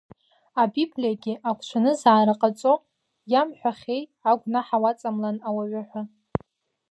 Абиблиагьы агәҽанызаара ҟаҵо, иамҳәахьеи агәнаҳа уаҵамлан ауаҩы ҳәа.